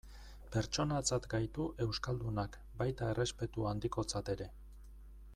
Pertsonatzat gaitu euskaldunak, baita errespetu handikotzat ere.